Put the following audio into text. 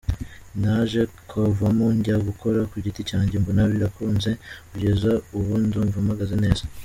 Naje kuvamo njya gukora ku giti cyanjye mbona birakunze, kugeza ubu ndumva mpagaze neza.